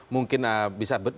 mungkin bisa berarti